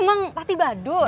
emang rati badut